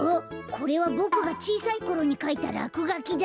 これはボクがちいさいころにかいたらくがきだ。